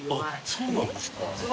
そうなんですか？